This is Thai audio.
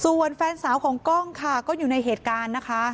ส่วนแฟนสาวของกล้องค่ะก็อยู่ในเหตุการณ์นะคะ